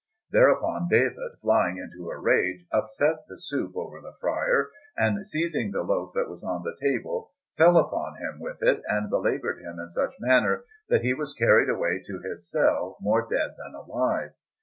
Thereupon David, flying into a rage, upset the soup over the friar, and, seizing the loaf that was on the table, fell upon him with it and belaboured him in such a manner that he was carried away to his cell more dead than alive.